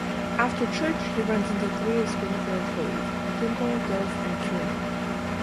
After church, he runs into three of Springfield's bullies: Jimbo, Dolph, and Kearney.